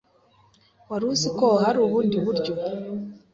Wari uzi ko hari ubundi buryo